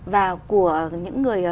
và của những người